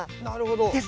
なるほど。